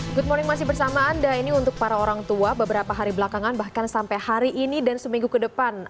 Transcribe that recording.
good morning masih bersama anda ini untuk para orang tua beberapa hari belakangan bahkan sampai hari ini dan seminggu ke depan